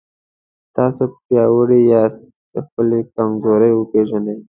تاسو پیاوړي یاست که خپلې کمزورۍ وپېژنئ.